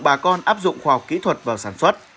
bà con áp dụng khoa học kỹ thuật vào sản xuất